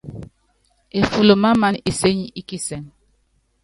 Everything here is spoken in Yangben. Eful mamana isény í kisɛŋ.